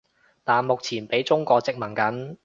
但目前畀中國殖民緊